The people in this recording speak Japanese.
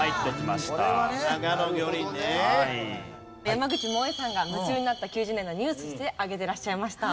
山口もえさんが夢中になった９０年代のニュースとして挙げてらっしゃいました。